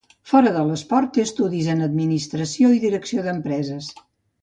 Fora de l'esport té estudis en administració i direcció d'empreses.